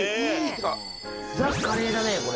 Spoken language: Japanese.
ザカレーだねこれ。